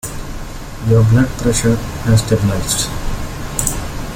Your blood pressure has stabilized.